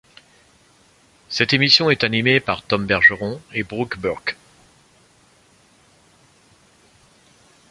Cette émission est animée par Tom Bergeron et Brooke Burke.